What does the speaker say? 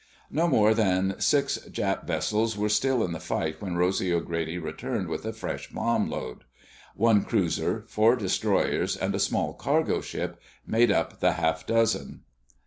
No more than six Jap vessels were still in the fight when Rosy O'Grady returned with a fresh bomb load. One cruiser, four destroyers and a small cargo ship made up the half dozen.